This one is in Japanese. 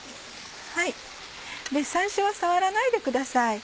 最初は触らないでください。